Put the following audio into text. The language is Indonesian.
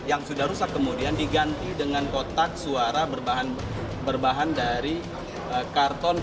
yang sudah rusak kemudian diganti dengan kotak suara berbahan dari karton